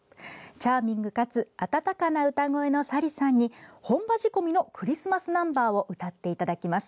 チャーミングかつ、温かな歌声のＳａｒｉさんに、本場仕込みのクリスマスナンバーを歌っていただきます。